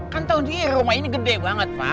kan tau nih rumah ini gede banget pak